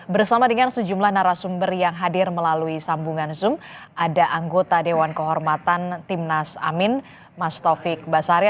bersama dengan sejumlah narasumber yang hadir melalui sambungan zoom ada anggota dewan kehormatan timnas amin mas taufik basari